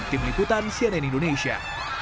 tim liputan cnn indonesia